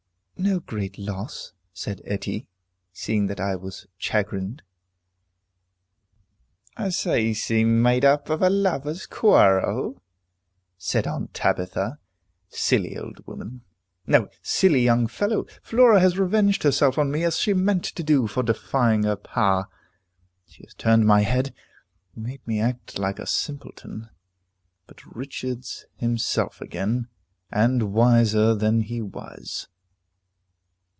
"No great loss," said Etty, seeing that I was chagrined. "As easy made up as a lovers' quarrel," said Aunt Tabitha. Silly old woman! No, silly young fellow! Flora has revenged herself on me as she meant to do, for defying her power. She has turned my head; made me act like a simpleton. But "Richard's himself again," and wiser than he was.